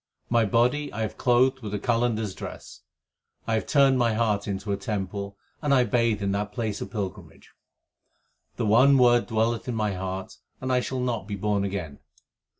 My body I have clothed with a Qalandar s dress, I have turned my heart into a temple, and I bathe in that place of pilgrimage. The one Word dwelleth in my heart, and I shall not be born again.